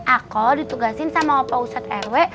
aku ditugasin sama wapau usat rw